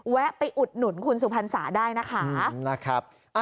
แวะไปอุดหนุนคุณสุพรรษาได้นะคะ